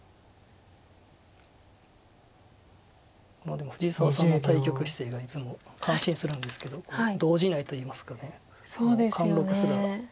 でも藤沢さんは対局室ではいつも感心するんですけど動じないといいますか貫禄すら漂います。